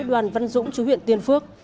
đoàn văn dũng chú huyện tiên phước